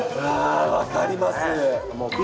分かります。